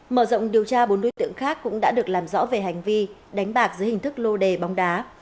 mở rộng điều tra bốn đối tượng khác cũng đã được làm rõ về hành vi đánh bạc dưới hình thức lô đề bóng đá